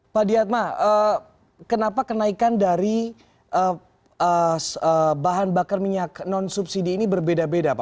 pak diatma kenapa kenaikan dari bahan bakar minyak non subsidi ini berbeda beda pak